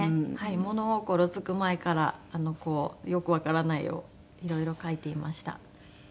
物心つく前からこうよくわからない絵をいろいろ描いていました。